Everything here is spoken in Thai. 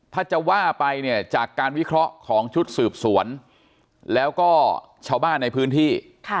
ถ้าจะว่าไปเนี่ยจากการวิเคราะห์ของชุดสืบสวนแล้วก็ชาวบ้านในพื้นที่